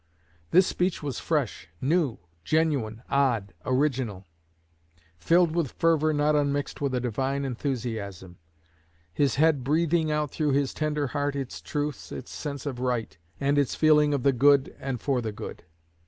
This speech was fresh, new, genuine, odd, original; filled with fervor not unmixed with a divine enthusiasm; his head breathing out through his tender heart its truths, its sense of right, and its feeling of the good and for the good.